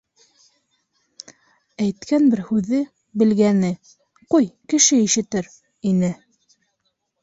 Әйткән бер һүҙе, белгәне: «Ҡуй, кеше ишетер!» ине.